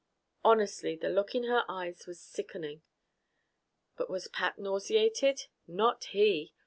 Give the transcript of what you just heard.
Honestly, the look in her eyes was sickening. But was Pat nauseated? Not he!